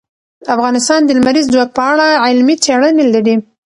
افغانستان د لمریز ځواک په اړه علمي څېړنې لري.